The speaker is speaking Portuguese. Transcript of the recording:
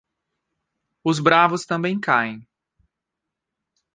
Os bravos também caem.